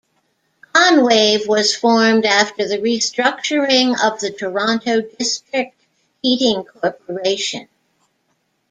Enwave was formed after the restructuring of the Toronto District Heating Corporation.